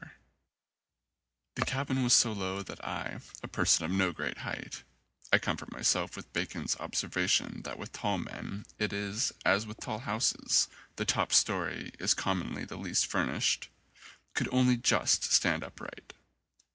95 ON A CHINESE SCREEN The cabin was so low that I, a person of no great height (I comfort myself with Bacon's observation that with tall men it is as with tall houses, the top story is commonly the least furnished) could only just stand upright.